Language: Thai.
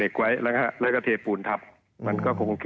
ขุดเหล็กเพิ่งปูนทับ